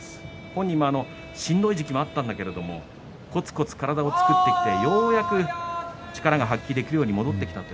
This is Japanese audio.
本人はしんどい時期もあったんだけれども、こつこつ体を作ってようやく力が発揮できるように戻ってきたと。